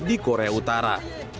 di korea utara